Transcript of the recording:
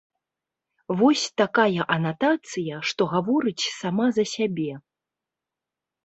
Вось такая анатацыя, што гаворыць сама за сябе.